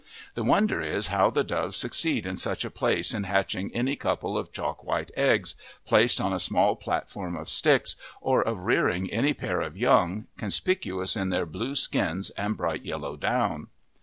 The wonder is how the doves succeed in such a place in hatching any couple of chalk white eggs, placed on a small platform of sticks, or of rearing any pair of young, conspicuous in their blue skins and bright yellow down!